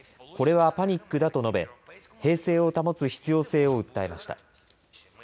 これはパニックだと述べ、平静を保つ必要性を訴えました。